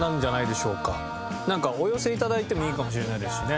なんかお寄せ頂いてもいいかもしれないですしね。